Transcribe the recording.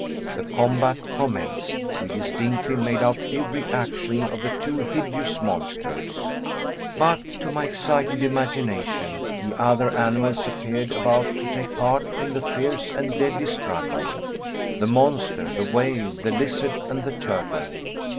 The combat commenced. We distinctly made out every action of the two hideous monsters. But to my excited imagination the other animals appeared about to take part in the fierce and deadly struggle the monster, the whale, the lizard, and the turtle.